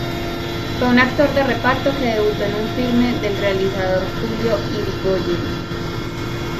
Fue un actor de reparto que debutó en un filme del realizador Julio Irigoyen.